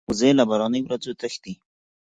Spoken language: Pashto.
وزې له باراني ورځو تښتي